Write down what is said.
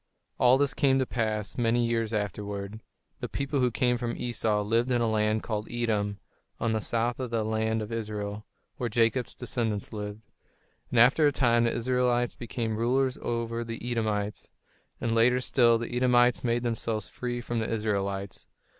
All this came to pass many years afterward. The people who came from Esau lived in a land called Edom, on the south of the land of Israel, where Jacob's descendants lived. And after a time the Israelites became rulers over the Edomites; and later still, the Edomites made themselves free from the Israelites.